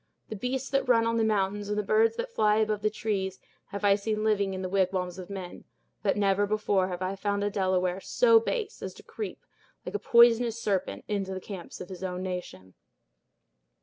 The beasts that run on the mountains, and the birds that fly above the trees, have I seen living in the wigwams of men; but never before have I found a Delaware so base as to creep, like a poisonous serpent, into the camps of his nation."